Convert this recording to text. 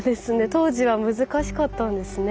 当時は難しかったんですね。